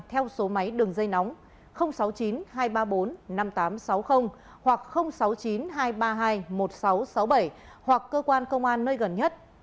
theo số máy đường dây nóng sáu mươi chín hai trăm ba mươi bốn năm nghìn tám trăm sáu mươi hoặc sáu mươi chín hai trăm ba mươi hai một nghìn sáu trăm sáu mươi bảy hoặc cơ quan công an nơi gần nhất